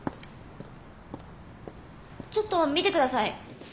ちょっと見てください。